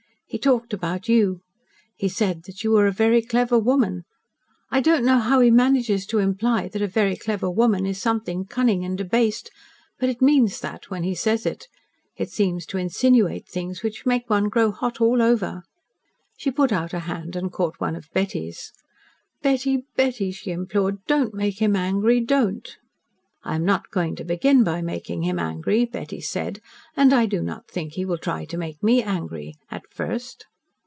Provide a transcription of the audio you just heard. He talked about you. He said that you were a very clever woman. I don't know how he manages to imply that a very clever woman is something cunning and debased but it means that when he says it. It seems to insinuate things which make one grow hot all over." She put out a hand and caught one of Betty's. "Betty, Betty," she implored. "Don't make him angry. Don't." "I am not going to begin by making him angry," Betty said. "And I do not think he will try to make me angry at first."